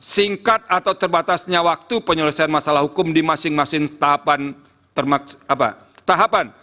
singkat atau terbatasnya waktu penyelesaian masalah hukum di masing masing tahapan